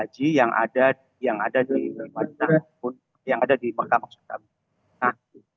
jemaah haji yang ada di makkah